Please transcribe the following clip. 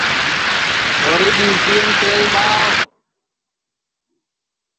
چھوری ڈِؔیوٹئیم تیل ٻاہو